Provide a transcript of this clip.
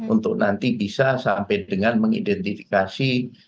untuk nanti bisa sampai dengan mengidentifikasi